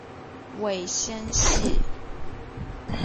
尾纤细。